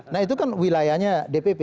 nah itu kan wilayahnya dpp